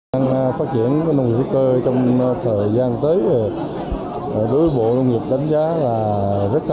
nông nghiệp hữu cơ đang phát triển trong thời gian tới đối với bộ nông nghiệp đánh giá rất cao